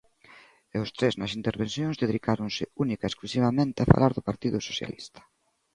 E os tres nas intervencións dedicáronse única e exclusivamente a falar do Partido Socialista.